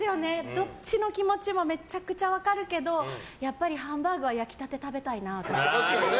どっちの気持ちもめちゃくちゃ分かるけどやっぱり、ハンバーグは焼きたてを食べたいな。